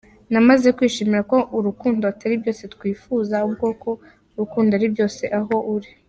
Namaze kwishyiramo ko urukundo atari byose twifuza ahubwo ko urukundo ari byose aho uri.